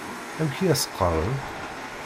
Amek i as-qqaren?